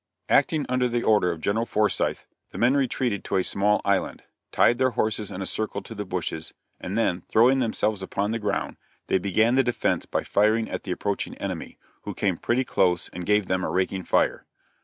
Acting under the order of General Forsyth, the men retreated to a small island, tied their horses in a circle to the bushes, and then, throwing themselves upon the ground, they began the defense by firing at the approaching enemy, who came pretty close and gave them a raking fire.